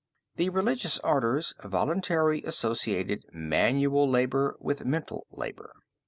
The religious orders voluntarily associated manual labor with mental labor.